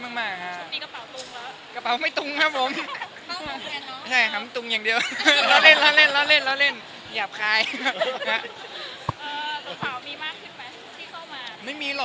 สังผ่ามีไปบ้างที่เข้ามา